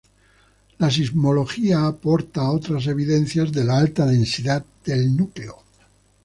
La sismología aporta otras evidencias de la alta densidad del núcleo.